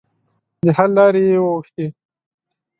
د حل لارې یې وغوښتې.